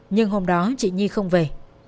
nhưng hôm đó chị nhi không về